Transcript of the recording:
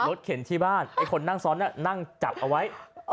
ลดเข็นที่บ้านคนนั่งซ้อนแล้วจับเอาไว้